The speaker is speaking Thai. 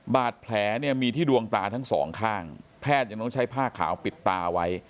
บาดแผลเนี่ยมีที่ดวงตาทั้งสองข้างแพทย์ยังต้องใช้ผ้าขาวปิดตาไว้